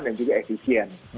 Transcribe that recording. yang lebih efisien